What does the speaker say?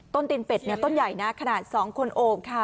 ตีนเป็ดเนี่ยต้นใหญ่นะขนาด๒คนโอบค่ะ